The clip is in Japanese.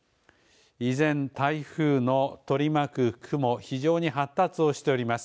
依然、台風の取り巻く雲非常に発達をしております。